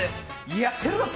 やってやるぞ！って